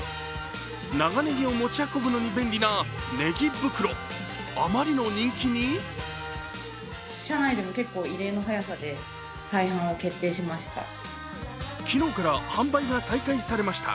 長ねぎを持ち運ぶのに便利なねぎ袋、あまりの人気に昨日から販売が再開されました。